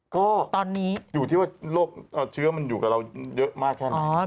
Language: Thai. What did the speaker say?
ก็อยู่ที่ว่าโรคเชื้อมันอยู่กับเราเยอะมากแค่ไหนตอนนี้